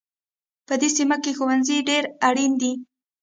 په دې سیمه کې ښوونځی ډېر اړین دی